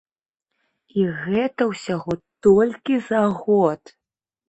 І гэта ўсяго толькі за год!